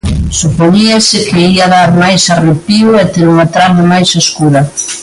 Supoñíase que ía dar máis arrepío e ter unha trama máis escura.